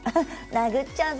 殴っちゃうぞ？